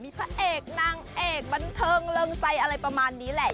พระเอกนางเอกบันเทิงเริงใจอะไรประมาณนี้แหละ